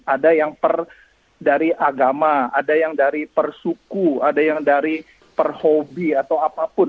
ada yang dari agama ada yang dari persuku ada yang dari perhobi atau apapun